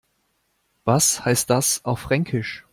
Was heißt das auf Fränkisch?